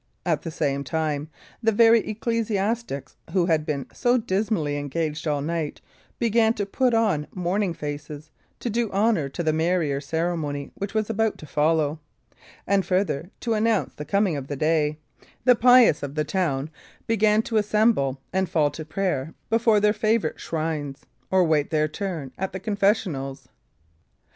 At the same time, the very ecclesiastics who had been so dismally engaged all night began to put on morning faces, to do honour to the merrier ceremony which was about to follow. And further to announce the coming of the day, the pious of the town began to assemble and fall to prayer before their favourite shrines, or wait their turn at the confessionals.